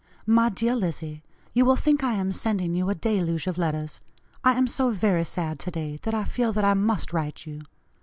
"MY DEAR LIZZIE: You will think I am sending you a deluge of letters. I am so very sad today, that I feel that I must write you.